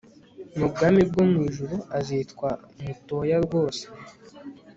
mu bwami bwo mu ijuru azitwa mutoya rwose